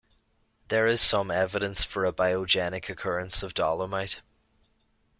There is some evidence for a biogenic occurrence of dolomite.